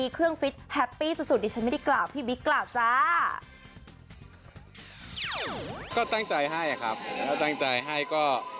ก็ตั้งใจให้ครับถ้าตั้งใจให้ก็